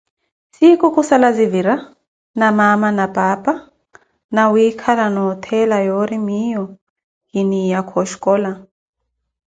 Siikhu khusala zivira na maama na paapa nawiikhala nootthela yoori miiyo kiniyaka oxkola.